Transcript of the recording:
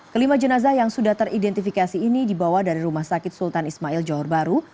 kelima jenazah yang sudah teridentifikasi ini dibawa dari rumah sakit sultan ismail johor baru